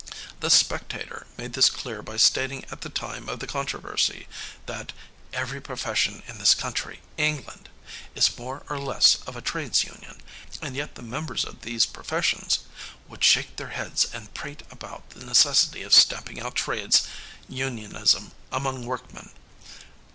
The Spectator made this clear by stating at the time of the controversy that "every profession in this country" England "is more or less of a trades union," and yet the members of these professions "would shake their heads and prate about the necessity of stamping out trades unionism among workmen."